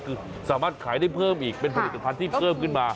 คือสามารถขายได้เพิ่มอีกเป็นผลิตภัณฑ์ที่เพิ่มขึ้นมา